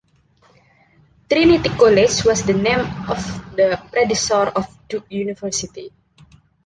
Trinity College was the name of the predecessor of Duke University.